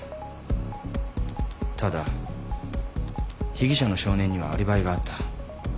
ただ被疑者の少年にはアリバイがあった。